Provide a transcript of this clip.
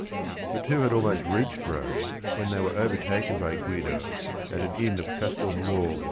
The two had almost reached Rome when they were overtaken by Guido at an inn of Castelnuovo.